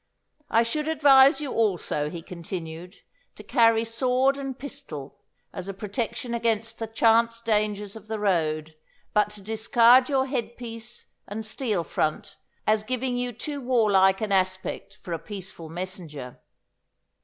'I should advise you also,' he continued, 'to carry sword and pistol as a protection against the chance dangers of the road, but to discard your head piece and steel front as giving you too warlike an aspect for a peaceful messenger.